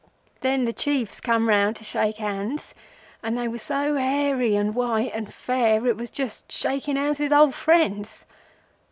Then the Chiefs come round to shake hands, and they was so hairy and white and fair it was just shaking hands with old friends.